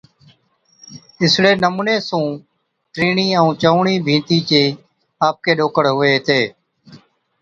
اِسڙي نمُوني سُون ٽِيڻِي ائُون چَئُوڻِي ڀِيتي چي آپڪي ڏوڪر هُوَي هِتي۔